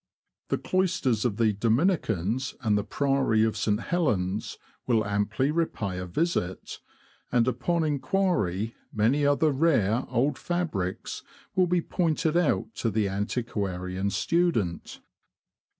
The cloisters of the Dominicans, and the Priory of St. Helen's, will amply repay a visit, and, upon inquiry, many other rare old fabrics will be pointed out to the antiquarian student.